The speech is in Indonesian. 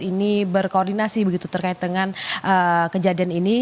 ini berkoordinasi begitu terkait dengan kejadian ini